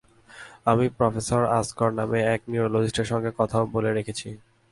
আমি প্রফেসর আসগর নামে এক নিউরোলজিষ্টের সঙ্গে কথাও বলে রেখেছি।